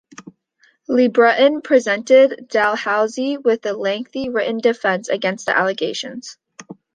LeBreton presented Dalhousie with a lengthy written defence against the allegations.